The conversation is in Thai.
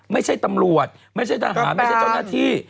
ไม่ใช่ตำรวจไม่ใช่ทหารไม่ใช่เจ้าหน้าที่